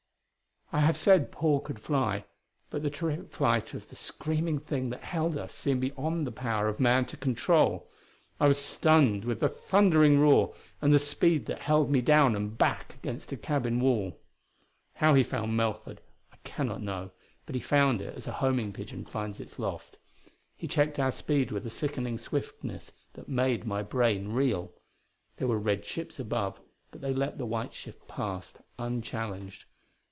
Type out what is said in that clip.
I have said Paul could fly; but the terrific flight of the screaming thing that held us seemed beyond the power of man to control. I was stunned with the thundering roar and the speed that held me down and back against a cabin wall. How he found Melford, I cannot know; but he found it as a homing pigeon finds its loft. He checked our speed with a sickening swiftness that made my brain reel. There were red ships above, but they let the white ship pass unchallenged.